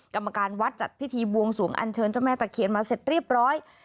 กรรมการวัดจัดพิธีบวงสวงอันเชิญเจ้าแม่ตะเคียนมาเสร็จเรียบร้อย